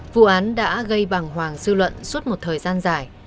vụ án đã gây bỏng hoàng dư luận suốt một thời gian dài